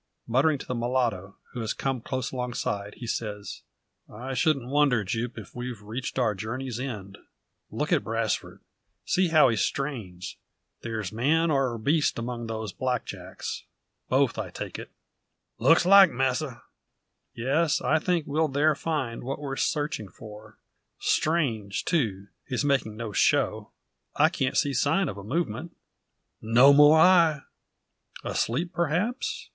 Muttering to the mulatto, who has come close alongside, he says: "I shouldn't wonder, Jupe, if we've reached our journey's end. Look at Brasfort! See how he strains! There's man or beast among those black jacks both I take it." "Looks like, masser." "Yes; I think we'll there find what we're searching for. Strange, too, his making no show. I can't see sign of a movement." "No more I." "Asleep, perhaps?